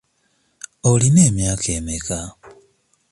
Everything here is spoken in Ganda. Olina emyaka emeka?